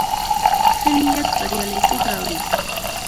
ښه نيت برياليتوب راوړي.